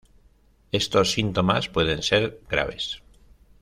Estos síntomas pueden ser graves.